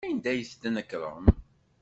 Anda ay d-tnekrem?